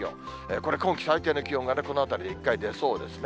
これ、今季最低の気温がこのあたりで一回、出そうですね。